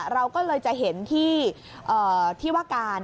เราก็เลยจะเห็นที่ว่าการ